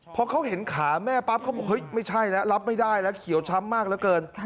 พอเขาเห็นขาแม่ปั๊บเขาบอกเฮ้ยไม่ใช่แล้วรับไม่ได้แล้วเขียวช้ำมากเหลือเกิน